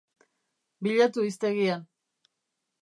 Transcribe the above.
Bilatu hiztegian.